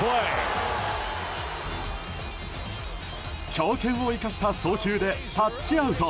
強肩を生かした送球でタッチアウト。